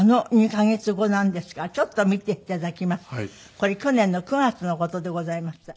これ去年の９月の事でございました。